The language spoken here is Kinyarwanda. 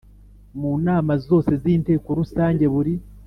Mu nama zose z inteko rusange buri